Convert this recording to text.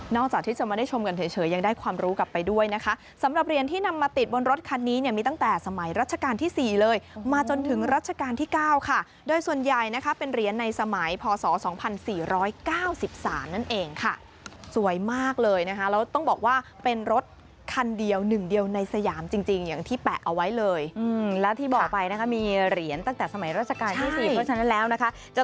นอกจากที่จะมาได้ชมกันเฉยยังได้ความรู้กลับไปด้วยนะคะสำหรับเหรียญที่นำมาติดบนรถคันนี้เนี่ยมีตั้งแต่สมัยรัชกาลที่๔เลยมาจนถึงรัชกาลที่๙ค่ะด้วยส่วนใหญ่นะคะเป็นเหรียญในสมัยพศ๒๔๙๓นั่นเองค่ะสวยมากเลยนะคะแล้วต้องบอกว่าเป็นรถคันเดียวหนึ่งเดียวในสยามจริงอย่างที่แปะเอาไว้เลยแล้วที่บอกไปนะ